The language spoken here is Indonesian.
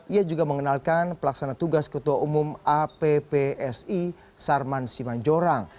ia juga mengenalkan pelaksana tugas ketua umum appsi sarman simanjorang